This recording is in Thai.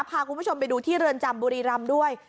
พาคุณผู้ชมไปดูที่เรือนจำบุรีรำด้วย